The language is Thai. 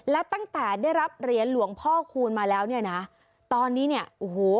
แล้วตั้งแต่ได้รับเหรียญหลวงพ่อคูณมาแล้วเนี่ยนะตอนนี้เนี่ยโอ้โห